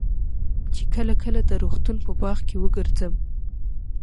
چې کله کله د روغتون په باغ کښې وګرځم.